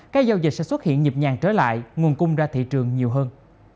các giao dịch sẽ xuất hiện nhịp nhàng trở lại nguồn cung ra thị trường nhiều hơn